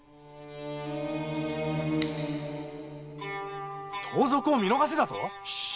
盗賊を見逃せだと⁉シーッ！